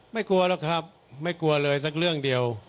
กลัวหรอกครับไม่กลัวเลยสักเรื่องเดียว